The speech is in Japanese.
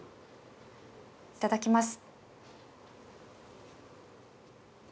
いただきます。